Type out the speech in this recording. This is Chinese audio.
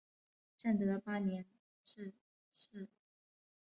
正德八年致仕。